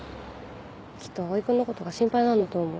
きっと蒼君のことが心配なんだと思う。